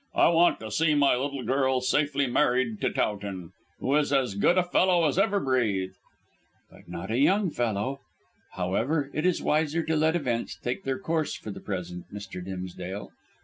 "I want to see my little girl safely married to Towton, who is as good a fellow as ever breathed." "But not a young fellow. However, it is wiser to let events take their course for the present, Mr. Dimsdale.